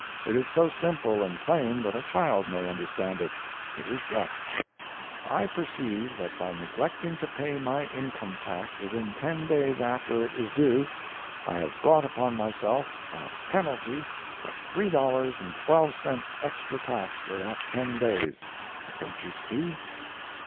It is so simple and plain that a child may understand it. It is thus: I perceive that by neglecting to pay my income tax within ten days after it was due, I have brought upon myself a "penalty" of three dollars and twelve cents extra tax for that ten days. Don't you see?